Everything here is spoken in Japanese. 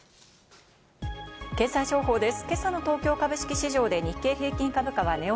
経済情報です。